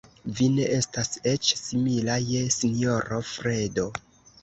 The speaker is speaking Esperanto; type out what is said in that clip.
Vi ne estas eĉ simila je sinjoro Fredo.